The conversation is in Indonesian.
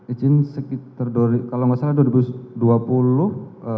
izin sekitar kalau nggak salah dua ribu dua puluh